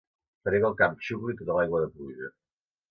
Faré que el camp xucli tota l'aigua de pluja.